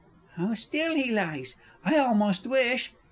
_) How still he lies! I almost wish